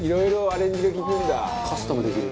カスタムできる。